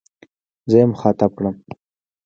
زه يې مخاطب کړم.